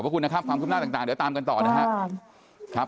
ขอบคุณนะครับความคืบหน้าต่างเดี๋ยวตามกันต่อนะครับ